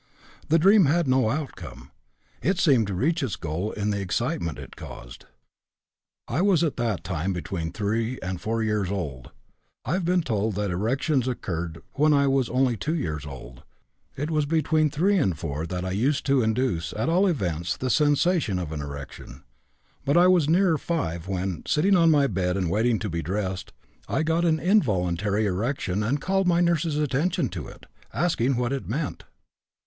The dream had no outcome; it seemed to reach its goal in the excitement it caused. I was at that time between 3 and 4 years old. (I have been told that erections occurred when I was only 2 years old. It was between 3 and 4 that I used to induce, at all events, the sensation of an erection. But I was nearer 5 when, sitting on my bed and waiting to be dressed, I got an involuntary erection and called my nurse's attention to it, asking what it meant.